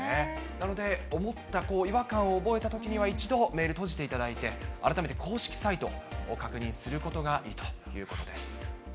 なので、思った違和感を覚えたときには、一度、メール閉じていただいて、改めて公式サイトを確認することがいいということです。